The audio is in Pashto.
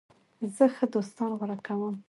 زه ښه دوستان غوره کوم.